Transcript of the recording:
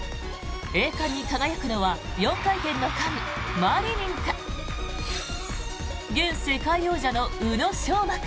栄冠に輝くのは４回転の神、マリニンか現世界王者の宇野昌磨か。